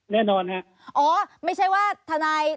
แน่นอนค่ะ